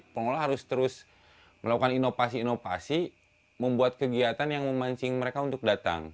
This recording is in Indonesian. pengelola harus terus melakukan inovasi inovasi membuat kegiatan yang memancing mereka untuk datang